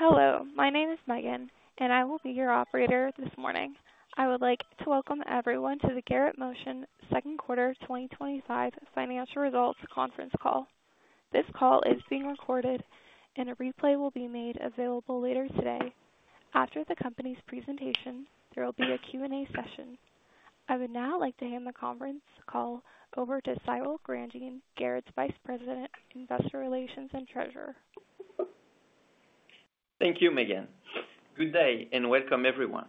Hello. My name is Megan, and I will be your operator this morning. I would like to welcome everyone to the Garrett Motion Second Quarter twenty twenty five Financial Results Conference Call. This call is being recorded and a replay will be made available later today. After the company's presentation, there will be a Q and A session. I would now like to hand the conference call over to Cyril Grandian, Garrett's Vice President, Investor Relations and Treasurer. Thank you, Megan. Good day and welcome everyone.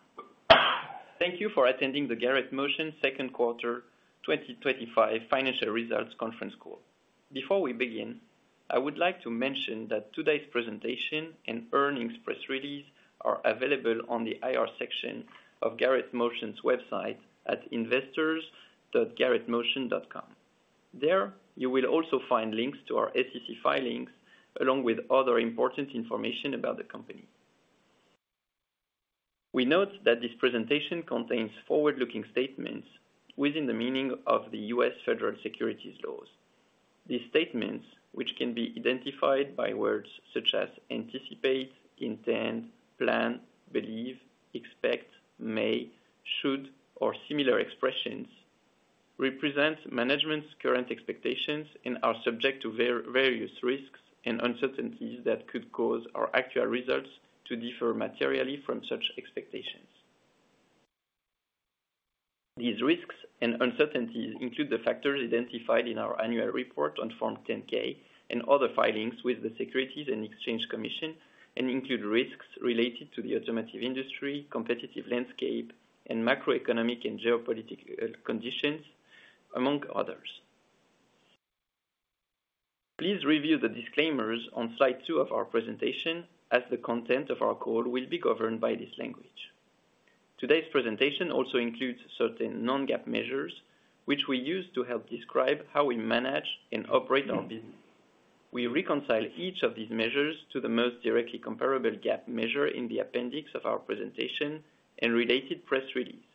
Thank you for attending the Garrett Motion second quarter twenty twenty five financial results conference call. Before we begin, I would like to mention that today's presentation and earnings press release are available on the IR section of Garrett Motion's website at investors.garrettmotion.com. There, you will also find links to our SEC filings along with other important information about the company. We note that this presentation contains forward looking statements within the meaning of The U. S. Federal securities laws. These statements, which can be identified by words such as anticipate, intend, plan, believe, expect, may, should or similar expressions, represent management's current expectations and are subject to various risks and uncertainties that could cause our actual results to differ materially from such expectations. These risks and uncertainties include the factors identified in our annual report on Form 10 ks and other filings with the Securities and Exchange Commission and include risks related to the automotive industry, competitive landscape and macroeconomic and geopolitical conditions, among others. Please review the disclaimers on Slide two of our presentation as the content of our call will be governed by this language. Today's presentation also includes certain non GAAP measures, which we use to help describe how we manage and operate our business. We reconcile each of these measures to the most directly comparable GAAP measure in the appendix of our presentation and related press release.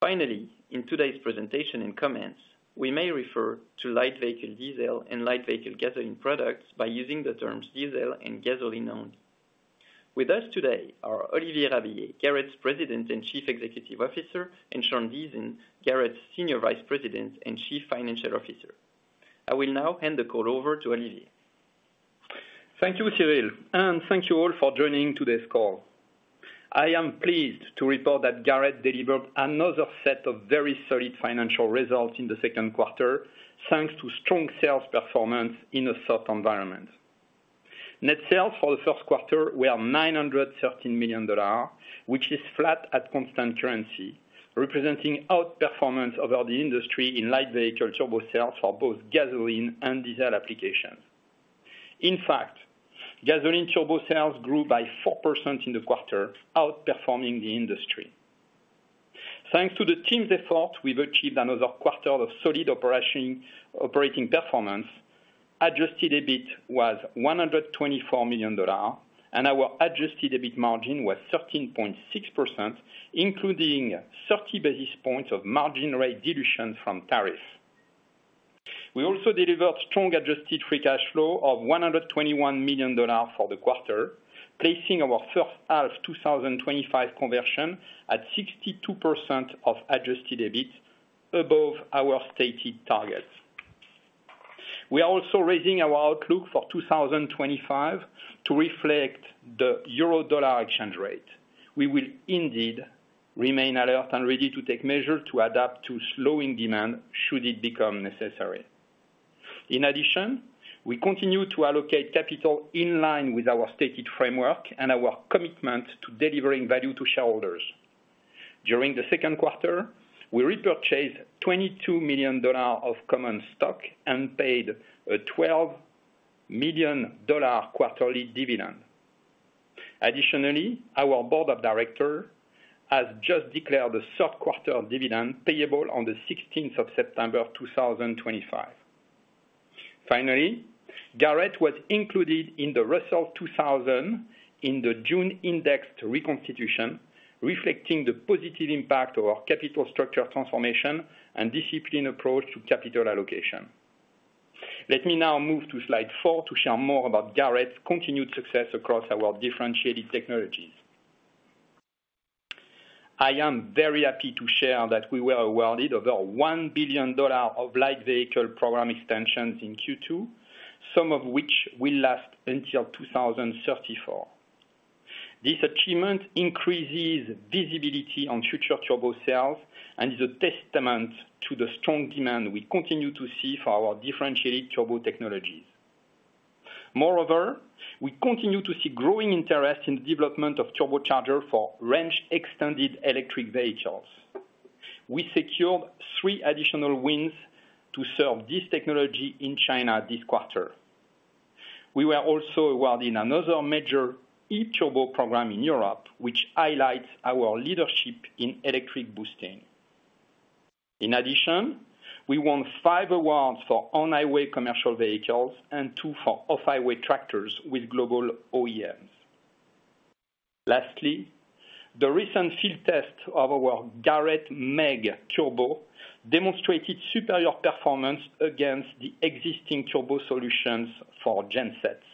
Finally, in today's presentation and comments, we may refer to light vehicle diesel and light vehicle gasoline products by using the terms diesel and gasoline only. With us today are Olivier Rabiller, Garrett's President and Chief Executive Officer and Sean Dizon, Garrett's Senior Vice President and Chief Financial Officer. I will now hand the call over to Olivier. Thank you, Cyrille, and thank you all for joining today's call. I am pleased to report that Garrett delivered another set of very solid financial results in the second quarter, thanks to strong sales performance in a soft environment. Net sales for the first quarter were $913,000,000 which is flat at constant currency, representing outperformance of the industry in light vehicle turbo sales for both gasoline and diesel applications. In fact, gasoline turbo sales grew by 4% in the quarter, outperforming industry. Thanks to the team's effort, we've achieved another quarter of solid operating performance. Adjusted EBIT was $124,000,000 and our adjusted EBIT margin was 13.6%, including 30 basis points of margin rate dilution from tariffs. We also delivered strong adjusted free cash flow of $121,000,000 for the quarter, placing our first half twenty twenty five conversion at 62% of adjusted EBIT above our stated targets. We are also raising our outlook for 2025 to reflect the euro dollar exchange rate. We will indeed remain alert and ready to take measures to adapt to slowing demand should it become necessary. In addition, we continue to allocate capital in line with our stated framework and our commitment to delivering value to shareholders. During the second quarter, we repurchased $22,000,000 of common stock and paid a $12,000,000 quarterly dividend. Additionally, our Board of Directors has just declared the third quarter dividend payable on the September 16. Finally, Garrett was included in the Russell 2,000 in the June indexed reconstitution, reflecting the positive impact of our capital structure transformation and disciplined approach to capital allocation. Let me now move to Slide four to share more about Garrett's continued success across our differentiated technologies. I am very happy to share that we were awarded over $1,000,000,000 of light vehicle program extensions in Q2, some of which will last until 02/1934. This achievement increases visibility on future turbo sales and is a testament to the strong demand we continue to see for our differentiated turbo technologies. Moreover, we continue to see growing interest in the development of turbocharger for range extended electric vehicles. We secured three additional wins to serve this technology in China this quarter. We were also awarded another major eTurbo program in Europe, which highlights our leadership in electric boosting. In addition, we won five awards for on highway commercial vehicles and two for off highway tractors with global OEMs. Lastly, the recent field test of our Garrett MEG Turbo demonstrated superior performance against the existing turbo solutions for gensets.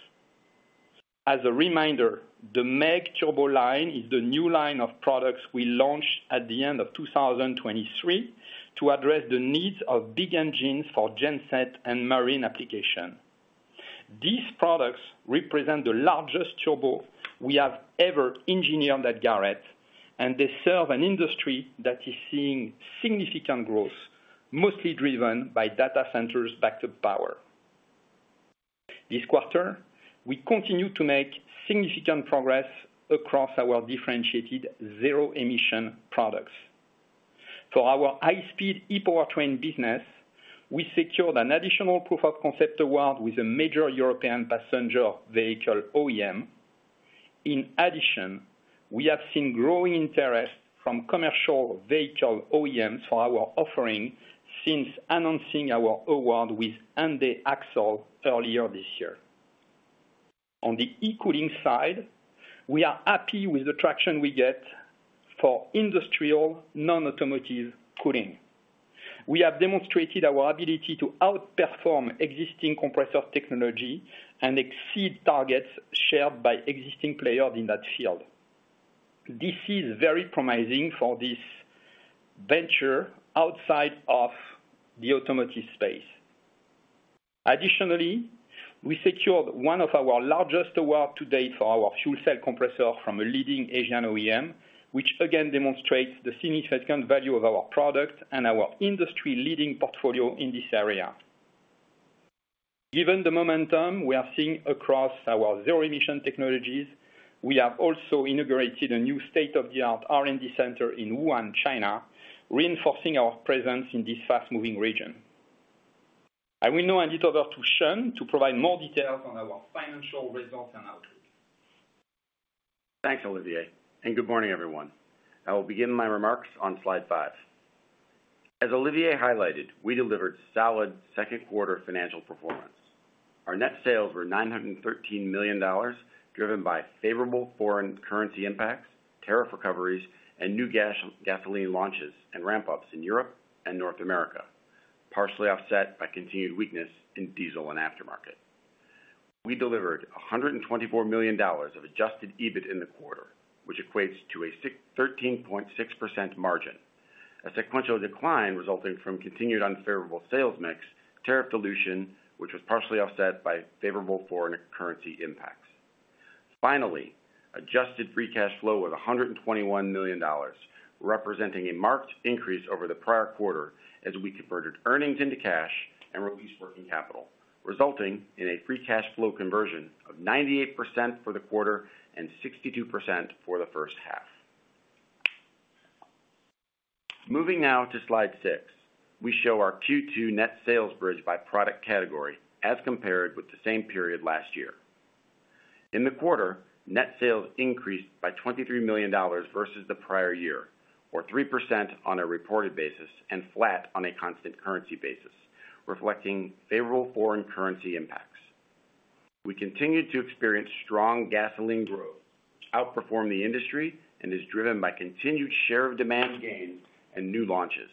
As a reminder, the MEG Turbo line is the new line of products we launched at the 2023 to address the needs of big engines for genset and marine application. These products represent the largest turbo we have ever engineered at Garrett, and they serve an industry that is seeing significant growth, mostly driven by data centers backed up power. This quarter, we continued to make significant progress across our differentiated zero emission products. For our high speed e powertrain business, we secured an additional proof of concept award with a major European passenger vehicle OEM. In addition, we have seen growing interest from commercial vehicle OEMs for our offering since announcing our award with Hyundai Axle earlier this year. On the e cooling side, we are happy with the traction we get for industrial non automotive cooling. We have demonstrated our ability to outperform existing compressor technology and exceed targets shared by existing players in that field. This is very promising for this venture outside of the automotive space. Additionally, we secured one of our largest award to date for our fuel cell compressor from a leading Asian OEM, which again demonstrates the significant value of our product and our industry leading portfolio in this area. Given the momentum we are seeing across our zero emission technologies, we have also integrated a new state of the art R and D center in Wuhan, China, reinforcing our presence in this fast moving region. I will now hand it over to Sean to provide more details on our financial results and outlook. Thanks Olivier, and good morning everyone. I will begin my remarks on slide five. As Olivier highlighted, we delivered solid second quarter financial performance. Our net sales were $913,000,000 driven by favorable foreign currency impacts, tariff recoveries and new gasoline launches and ramp ups in Europe and North America, partially offset by continued weakness in diesel and aftermarket. We delivered $124,000,000 of adjusted EBIT in the quarter, which equates to a 13.6% margin, a sequential decline resulting from continued unfavorable sales mix, tariff dilution which was partially offset by favorable foreign currency impacts. Finally, adjusted free cash flow of $121,000,000 representing a marked increase over the prior quarter as we converted earnings into cash and released working capital resulting in a free cash flow conversion of 98% for the quarter and 62% for the first half. Moving now to slide six, we show our Q2 net sales bridge by product category as compared with the same period last year. In the quarter, net sales increased by $23,000,000 versus the prior year or 3% on a reported basis and flat on a constant currency basis reflecting favorable foreign currency impacts. We continue to experience strong gasoline growth outperformed the industry and is driven by continued share of demand gains and new launches.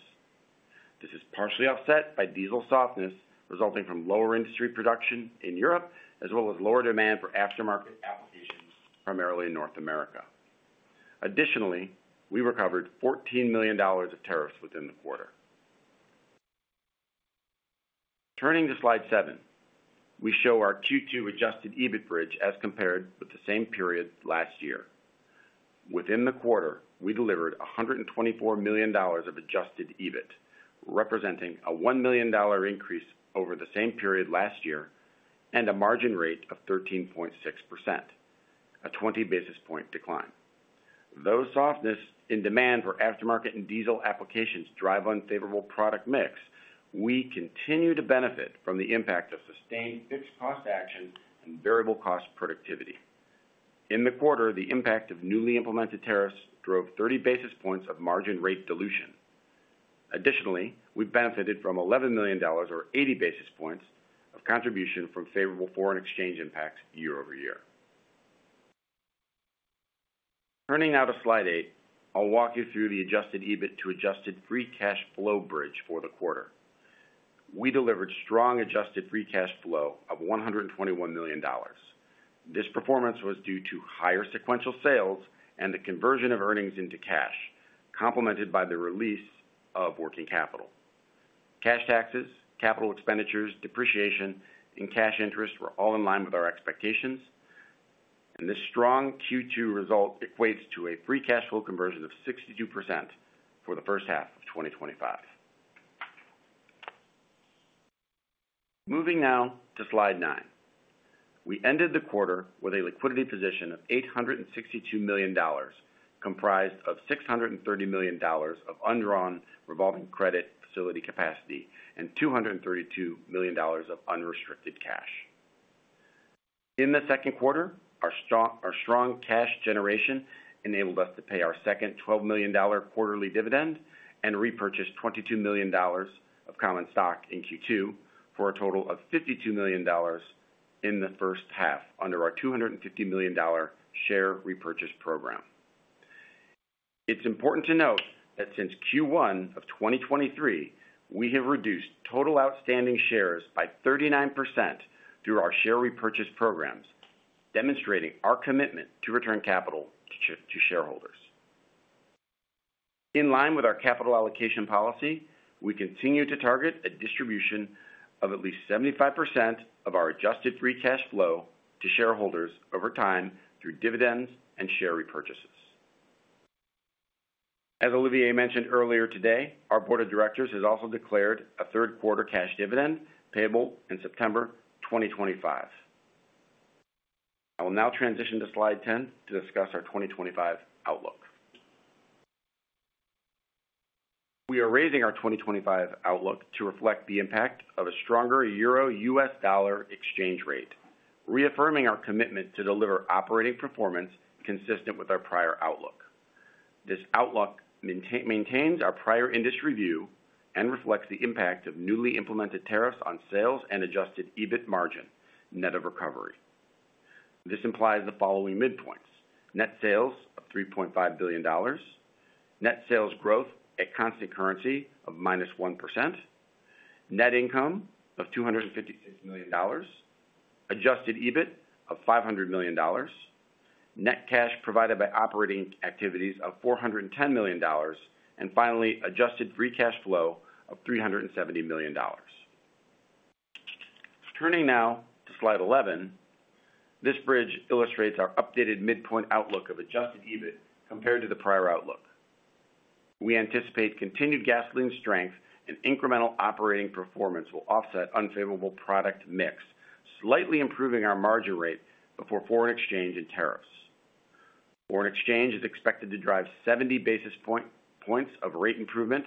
This is partially offset by diesel softness resulting from lower industry production in Europe as well as lower demand for aftermarket applications primarily in North America. Additionally, we recovered $14,000,000 of tariffs within the quarter. Turning to slide seven, we show our Q2 adjusted EBIT bridge as compared with the same period last year. Within the quarter, we delivered 124,000,000 of adjusted EBIT representing a $1,000,000 increase over the same period last year and a margin rate of 13.6%, a 20 basis point decline. Though softness in demand for aftermarket and diesel applications drive unfavorable product mix, we continue to benefit from the impact of sustained fixed cost action and variable cost productivity. In the quarter, the impact of newly implemented tariffs drove 30 basis points of margin rate dilution. Additionally, we benefited from $11,000,000 or 80 basis points of contribution from favorable foreign exchange impacts year over year. Turning now to slide eight, I'll walk you through the adjusted EBIT to adjusted free cash flow bridge for the quarter. We delivered strong adjusted free cash flow of $121,000,000 This performance was due to higher sequential sales and the conversion of earnings into cash complemented by the release of working capital. Cash taxes, capital expenditures, depreciation and cash interest were all in line with our expectations. And this strong Q2 result equates to a free cash flow conversion of 62% for the first half of twenty twenty five. Moving now to slide nine. We ended the quarter with a liquidity position of $862,000,000 comprised of $630,000,000 of undrawn revolving credit facility capacity and $232,000,000 of unrestricted cash. In the second quarter, our strong cash generation enabled us to pay our second $12,000,000 quarterly dividend and repurchase $22,000,000 of common stock in Q2 for a total of $52,000,000 in the first half under our $250,000,000 share repurchase program. It's important to note that since Q1 of twenty twenty three, we have reduced total outstanding shares by 39% through our share repurchase programs demonstrating our commitment to return capital to shareholders. In line with our capital allocation policy, we continue to target a distribution of at least 75% of our adjusted free cash flow to shareholders over time through dividends and share repurchases. As Olivier mentioned earlier today, our Board of Directors has also declared a third quarter cash dividend payable in September 2025. I will now transition to slide 10 to discuss our 2025 outlook. We are raising our twenty twenty five outlook to reflect the impact of a stronger euro U. S. Dollar exchange rate reaffirming our commitment to deliver operating performance consistent with our prior outlook. This outlook maintains our prior industry view and reflects the impact of newly implemented tariffs on sales and adjusted EBIT margin net of recovery. This implies the following midpoints net sales of $3,500,000,000 net sales growth at constant currency of minus 1% net income of $256,000,000 adjusted EBIT of $500,000,000 net cash provided by operating activities of $410,000,000 and finally adjusted free cash flow of $370,000,000 Turning now to slide 11. This bridge illustrates our updated midpoint outlook of adjusted EBIT compared to the prior outlook. We anticipate continued gasoline strength and incremental operating performance will offset unfavorable product mix slightly improving our margin rate before foreign exchange and tariffs. Foreign exchange is expected to drive 70 basis points of rate improvement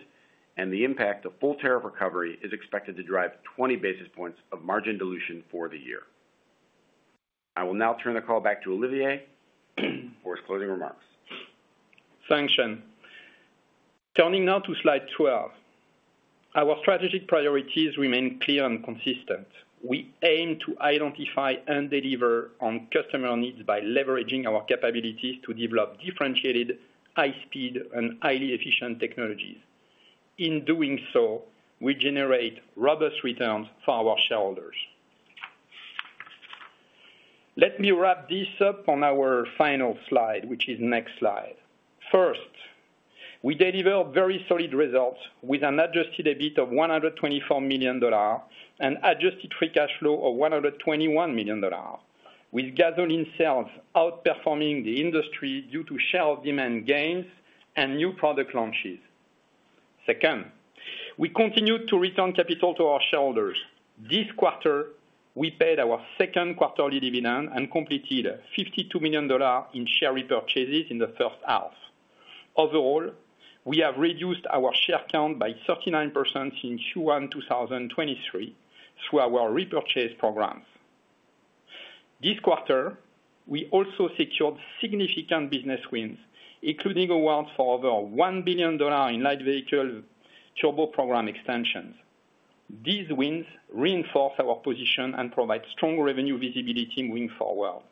and the impact of full tariff recovery is expected to drive 20 basis points of margin dilution for the year. I will now turn the call back to Olivier for his closing remarks. Thanks, Sean. Turning now to slide 12. Our strategic priorities remain clear and consistent. We aim to identify and deliver customer needs by leveraging our capabilities to develop differentiated high speed and highly efficient technologies. In doing so, we generate robust returns for our shareholders. Let me wrap this up on our final slide, which is next slide. First, we delivered very solid results with an adjusted EBIT of $124,000,000 and adjusted free cash flow of $121,000,000 with gasoline sales outperforming the industry due to shelf demand gains and new product launches. Second, we continued to return capital to our shareholders. This quarter, we paid our second quarterly dividend and completed $52,000,000 in share repurchases in the first half. Overall, we have reduced our share count by 39% in Q1 twenty twenty three through our repurchase program. This quarter, we also secured significant business wins, including awards for over $1,000,000,000 in light vehicle turbo program extensions. These wins reinforce our position and provide strong revenue visibility moving forward.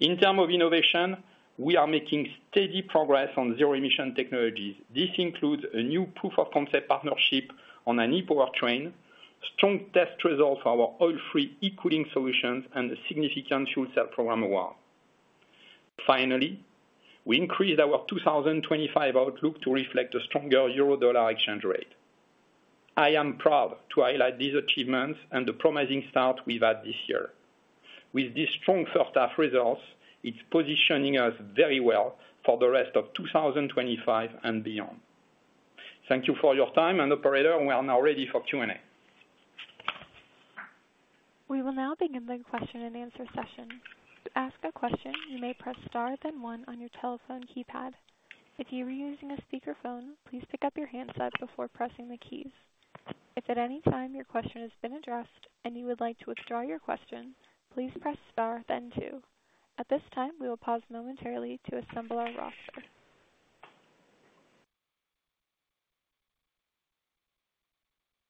In term of innovation, we are making steady progress on zero emission technologies. This includes a new proof of concept partnership on an e powertrain, strong test result for our oil free e cooling solutions and a significant fuel cell program award. Finally, we increased our 2025 outlook to reflect a stronger eurodollar exchange rate. I am proud to highlight these achievements and the promising start we've had this year. With these strong first half results, it's positioning us very well for the rest of 2025 and beyond. Thank you for your time. And operator, we are now ready for Q and A. We will now begin the question and answer session.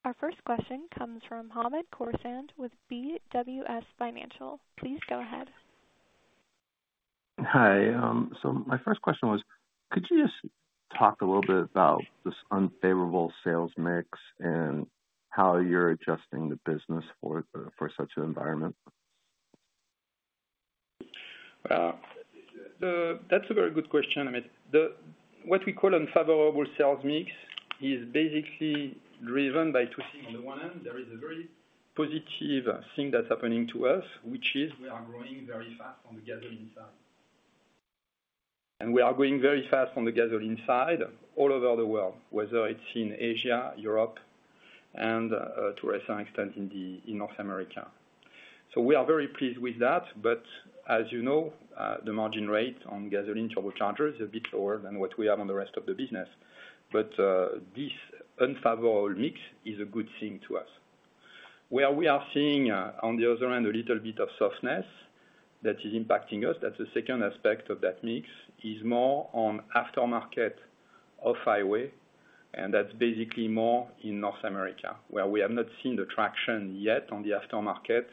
Our first question comes from Hamed Khorsand with BWS Financial. Please go ahead. Hi. So my first question was, could you just talk a little bit about this unfavorable sales mix and how you're adjusting the business for such an environment? That's a very good question, Amit. What we call unfavorable sales mix is basically driven by two things. On the one hand, there is a very positive thing that's happening to us, which is we are growing very fast on the gasoline side. And we are growing very fast on the gasoline side all over the world, whether it's in Asia, Europe and to a certain extent in North America. So we are very pleased with that. But as you know, the margin rate on gasoline turbochargers is a bit lower than what we have on the rest of the business. But this unfavorable mix is a good thing to us. Where we are seeing on the other hand a little bit of softness that is impacting us that's the second aspect of that mix is more on aftermarket off highway and that's basically more in North America, where we have not seen the traction yet on the aftermarket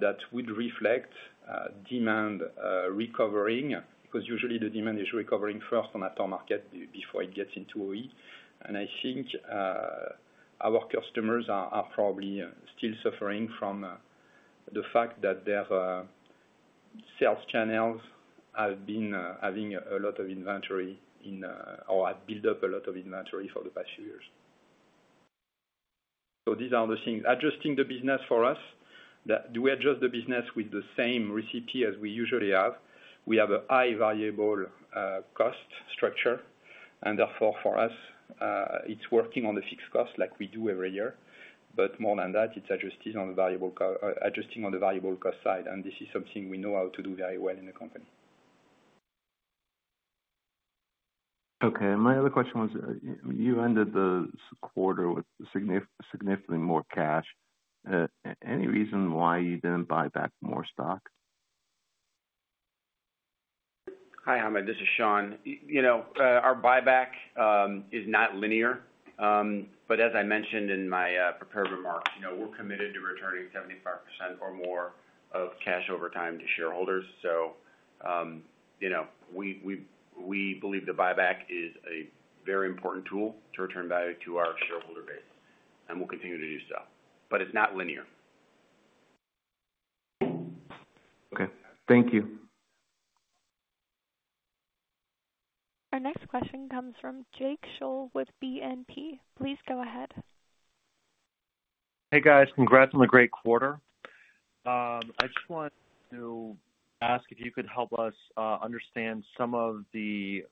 that would reflect demand recovering, because usually the demand is recovering first on aftermarket before it gets into OE. And I think our customers are probably still suffering from the fact that their sales channels have been having a lot of inventory in or have built up a lot of inventory for the past few years. So these are the things. Adjusting the business for us, do we adjust the business with the same recipe as we usually have? We have a high variable cost structure. And therefore for us, it's working on the fixed cost like we do every year. But more than that, it's adjusting on the variable cost side and this is something we know how to do very well in the company. Okay. And my other question was you ended the quarter with significantly more cash. Any reason why you didn't buy back more stock? Hi, Hamed. This is Sean. Our buyback is not linear. But as I mentioned in my prepared remarks, we're committed to returning 75% or more of cash over time to shareholders. We believe the buyback is a very important tool to return value to our shareholder base and we'll continue to do so. But it's not linear. Okay. Thank you. Our next question comes from Jake Scholl with BNP. Please go ahead. Hey guys, congrats on a great quarter. I just want to ask if you could help us understand some of the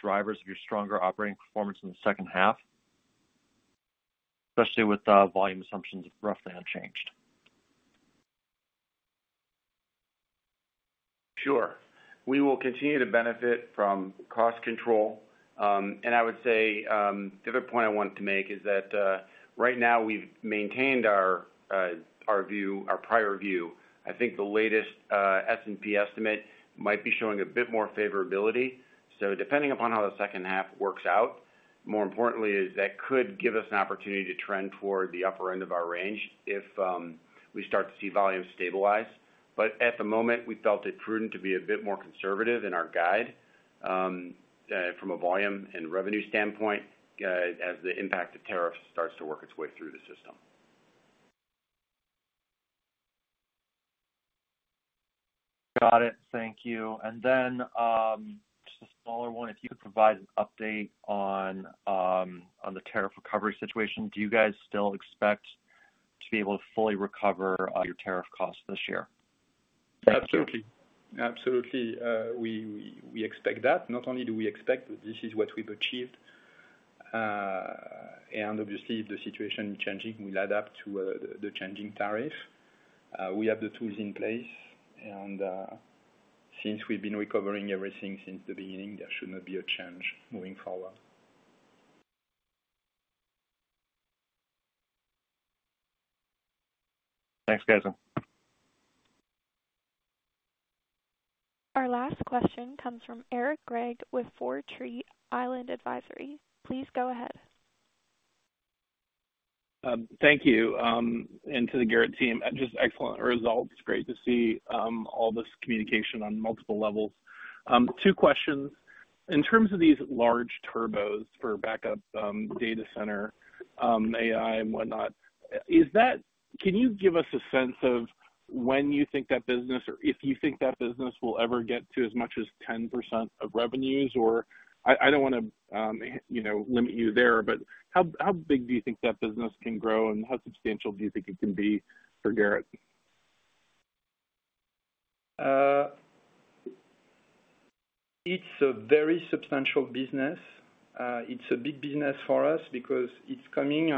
drivers of your stronger operating performance in the second half, especially with volume assumptions roughly unchanged? Sure. We will continue to benefit from cost control. And I would say the other point I wanted to make is that right now we've maintained our view our prior view. I think the latest S and P estimate might be showing a bit more favorability. So depending upon how the second half works out more importantly is that could give us an opportunity to trend toward the upper end of our range if we start to see volumes stabilize. But at the moment, we felt it prudent to be a bit more conservative in our guide from a volume and revenue standpoint as the impact of tariffs starts to work its way through the system. Got it. Thank you. And then just a smaller one, if you could provide an update on the tariff recovery situation. Do you guys still expect to be able to fully recover your tariff costs this year? Absolutely. Absolutely. We expect that. Not only do we expect, but this is what we've achieved. And obviously, the situation changing will add up to the changing tariff. We have the tools in place. And since we've been recovering everything since the beginning, there should not be a change moving forward. Thanks, guys. Our last question comes from Eric Greig with Four Tree Island Advisory. Please go ahead. Thank you. And to the Garrett team, just excellent results. Great to see all this communication multiple levels. Two questions. In terms of these large turbos for backup, data center, AI and whatnot, is that can you give us a sense of when you think that business or if you think that business will ever get to as much as 10% of revenues? Or I don't want to limit you there, but how big do you think that business can grow? And how substantial do you think it can be for Garrett? It's a very substantial business. It's a big business for us because it's coming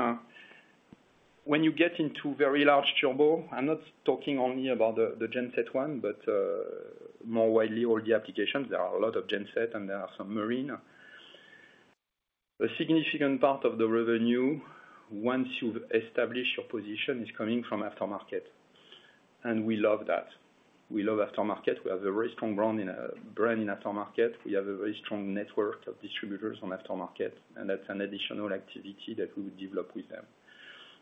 when you get into very large turbo, I'm not talking only about the genset one, but more widely all the applications. There are a lot of genset and there are some marine. A significant part of the revenue once you've established your position is coming from aftermarket. And we love that. We love aftermarket. We have a very strong brand in aftermarket. We have a very strong network of distributors on aftermarket. And that's an additional activity that we would develop with them.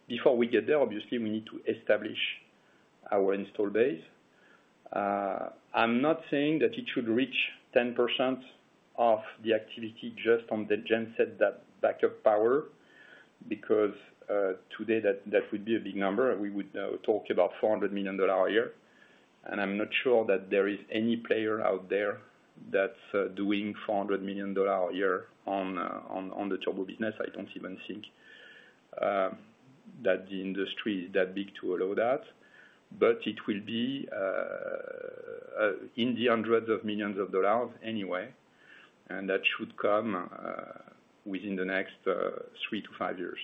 Before we get there, obviously, we need to establish our installed base. I'm not saying that it should reach 10% of the activity just on the genset backup power because today that would be a big number. We would talk about $400,000,000 a year. And I'm not sure that there is any player out there that's doing $400,000,000 a year on the turbo business. I don't even think that the industry is that big to allow that. But it will be in the hundreds of millions of dollars anyway and that should come within the next three to five years.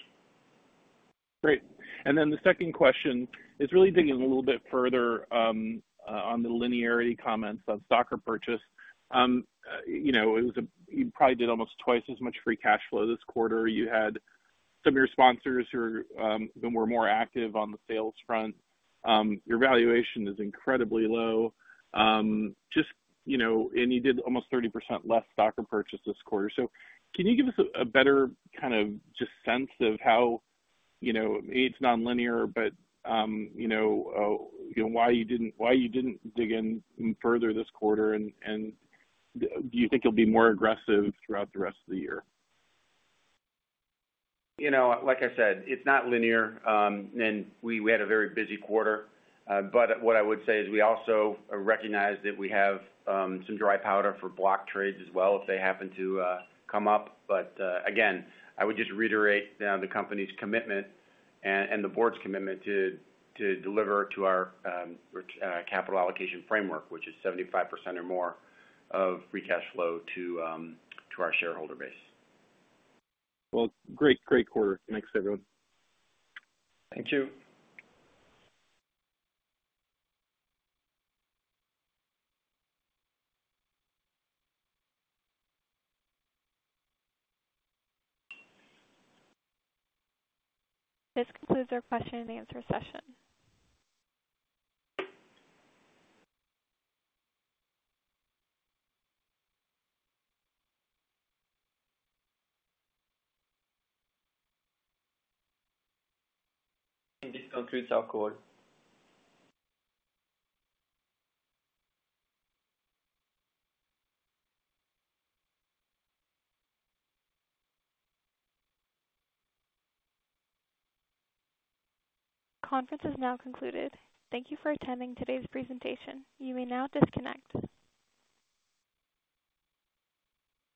Great. And then the second question is really digging a little bit further on the linearity comments on stock repurchase. It was a you probably did almost twice as much free cash flow this quarter. You had some of your sponsors who were more active on the sales front. Your valuation is incredibly low. Just and you did almost 30% less stock repurchase this quarter. So can you give us a better kind of just sense of how it's non linear, but why you didn't dig in further this quarter? And do you think you'll be more aggressive throughout the rest of the year? Like I said, it's not linear. And we had a very busy quarter. But what I would say is we also recognize that we have some dry powder for block trades as well if they happen to come up. But again, I would just reiterate the company's commitment and the Board's commitment to deliver to our capital allocation framework, is 75% or more of free cash flow to our shareholder base. Well, quarter. Thanks everyone. Thank you. This concludes our question and answer session. And this concludes our call. Conference has now concluded. Thank you for attending today's presentation. You may now disconnect.